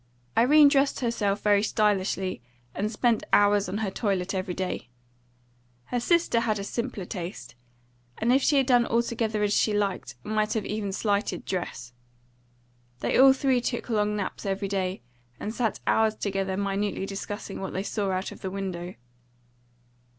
Irene dressed herself very stylishly, and spent hours on her toilet every day. Her sister had a simpler taste, and, if she had done altogether as she liked, might even have slighted dress. They all three took long naps every day, and sat hours together minutely discussing what they saw out of the window.